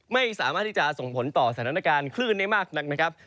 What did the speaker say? ไม่สามารถที่จะส่งผลต่อสถานการณ์คลื่นได้มากนักนะครับ